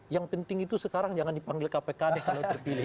yang penting itu sekarang jangan dipanggil kpk deh kalau terpilih